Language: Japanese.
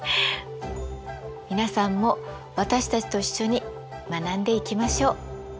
皆さんも私たちと一緒に学んでいきましょう。